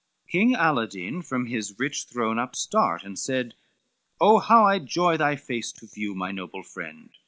LIII King Aladine from his rich throne upstart And said, "Oh how I joy thy face to view, My noble friend!